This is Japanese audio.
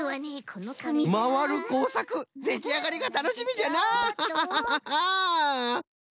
まわるこうさくできあがりがたのしみじゃのう！